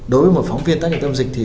đối với một phóng viên tác nghiệm tâm dịch